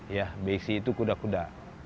ya besi itu kuda kuda